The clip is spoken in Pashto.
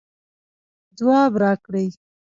ځواب راکړئ